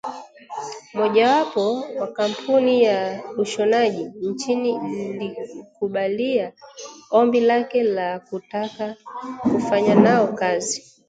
Mojawapo wa kampuni ya ushonaji nchini ilimkubalia ombi lake la kutaka kufanya nao kazi